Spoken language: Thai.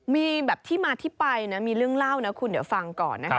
มีแบบที่มาที่ไปนะมีเรื่องเล่านะคุณเดี๋ยวฟังก่อนนะคะ